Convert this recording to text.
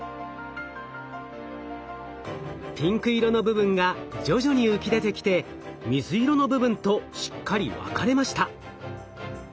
ピンク色の部分が徐々に浮き出てきて水色の部分としっかり分かれました。